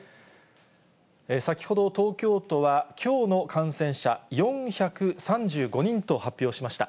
先ほど、東京都はきょうの感染者４３５人と発表しました。